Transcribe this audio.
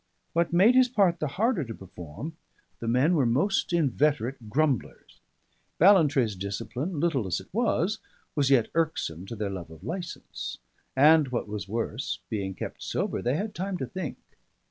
What made his part the harder to perform, the men were most inveterate grumblers: Ballantrae's discipline, little as it was, was yet irksome to their love of licence; and, what was worse, being kept sober they had time to think.